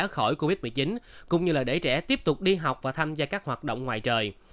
khỏi covid một mươi chín cũng như là để trẻ tiếp tục đi học và tham gia các hoạt động ngoài trời